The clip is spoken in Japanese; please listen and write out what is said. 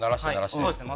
そうですね。